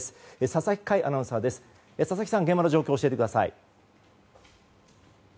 佐々木快アナウンサー現場の状況を教えてください。